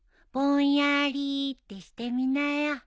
ぼんやりってしてみなよ。